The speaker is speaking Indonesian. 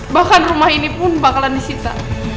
bahkan rumah ini pun bakalan disita